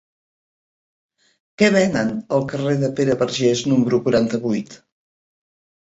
Què venen al carrer de Pere Vergés número quaranta-vuit?